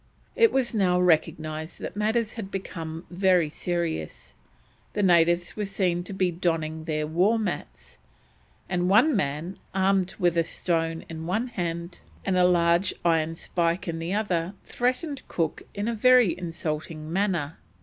It was now recognised that matters had become very serious; the natives were seen to be donning their war mats, and one man, armed with a stone in one hand and a large iron spike in the other, threatened Cook in a very insulting manner.